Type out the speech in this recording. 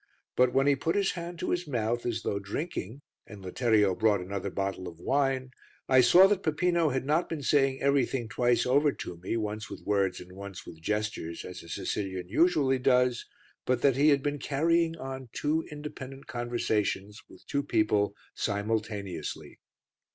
But when he put his hand to his mouth as though drinking and Letterio brought another bottle of wine, I saw that Peppino had not been saying everything twice over to me, once with words and once with gestures, as a Sicilian usually does, but that he had been carrying on two independent conversations with two people simultaneously.